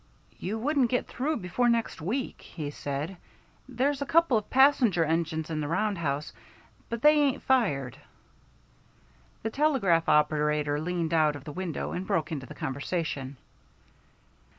"You wouldn't get through before next week," he said. "There's a couple of passenger engines in the roundhouse, but they ain't fired." The telegraph operator leaned out of the window and broke into the conversation.